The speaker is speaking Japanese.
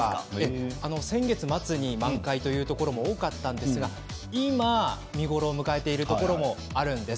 先月末、満開というところも多かったんですが今、見頃を迎えているところもあるんです。